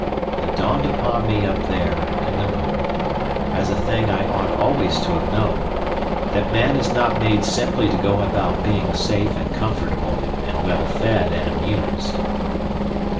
It dawned upon me up there in the moon as a thing I ought always to have known, that man is not made simply to go about being safe and comfortable and well fed and amused.